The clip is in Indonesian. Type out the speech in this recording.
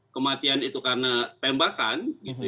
kematian itu karena tembakan